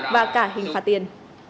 và cả hình phạt tiền